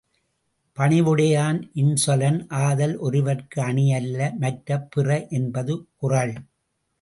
பணிவுடையன் இன்சொலன் ஆதல் ஒருவற்கு அணி அல்ல மற்றுப் பிற என்பது குறள்.